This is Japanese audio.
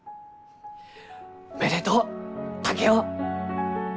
おめでとう竹雄！